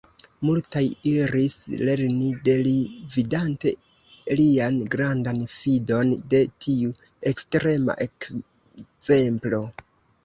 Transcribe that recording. Multaj iris lerni de li, vidante lian grandan fidon de tiu ekstrema ekzemplo.